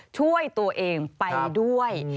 ช่วยตัวเองไปด้วย